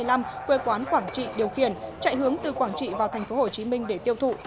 năm một nghìn chín trăm tám mươi năm quê quán quảng trị điều khiển chạy hướng từ quảng trị vào thành phố hồ chí minh để tiêu thụ